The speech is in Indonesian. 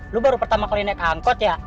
lu baru pertama kali naik angkot ya